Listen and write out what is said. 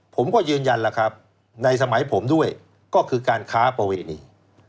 ผมก็ยืนยันแล้วครับในสมัยผมด้วยก็คือการค้าประเวณี